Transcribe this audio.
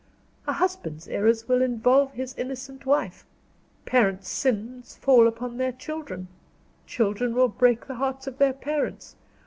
A husband's errors will involve his innocent wife; parent's sins fall upon their children; children will break the hearts of their parents.